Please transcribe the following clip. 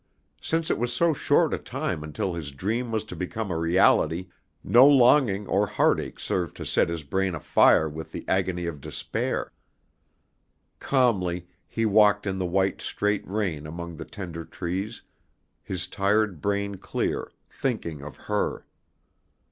Since it was so short a time until his dream was to become a reality, no longing or heartache served to set his brain afire with the agony of despair. Calmly he walked in the white straight rain among the tender trees, his tired brain clear, thinking of her.